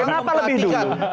kenapa lebih dulu